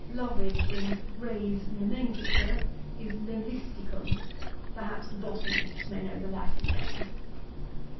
'Lovage, in Ray's Nomenclature, is Levisticum: perhaps the Botanists may know the Latin name.